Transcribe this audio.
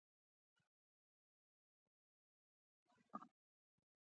د بهرنیو اتباعو حقوقي وضعیت